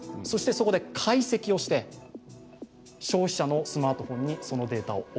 そしてそこで解析をして消費者のスマートフォンにそのデータを送る。